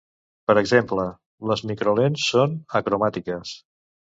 Per exemple, les microlents són acromàtiques.